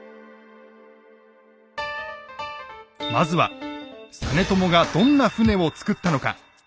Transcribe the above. まずは実朝がどんな船を造ったのか。